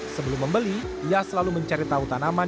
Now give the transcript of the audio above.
sebelum membeli ia selalu mencari tahu tanaman